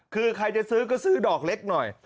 คือใครจะซื้อก็ซื้อดอกเล็กหน่อย